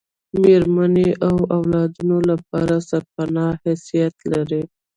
میرمنې د اولادونو لپاره دسرپنا حیثیت لري